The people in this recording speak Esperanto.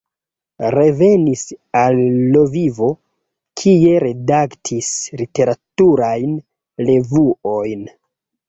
Revenis al Lvivo, kie redaktis literaturajn revuojn.